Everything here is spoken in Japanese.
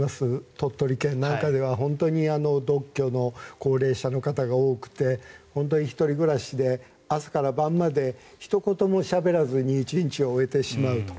鳥取県なんかでは本当に独居の高齢者の方が多くて本当に１人暮らしで朝から晩までひと言もしゃべらずに１日を終えてしまうと。